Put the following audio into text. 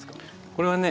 これはね